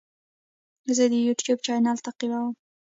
زه د یوټیوب چینل تعقیبوم.